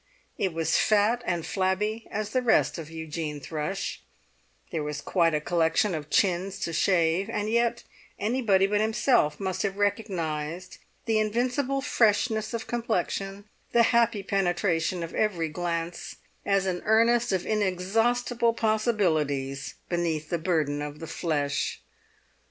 It was fat and flabby as the rest of Eugene Thrush; there was quite a collection of chins to shave; and yet anybody but himself must have recognised the invincible freshness of complexion, the happy penetration of every glance, as an earnest of inexhaustible possibilities beneath the burden of the flesh.